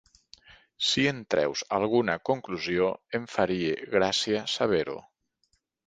Si en treus alguna conclusió em faria gràcia saber-ho....